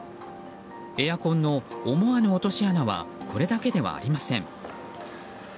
エアコンの思わぬ落とし穴はこれだけではありません。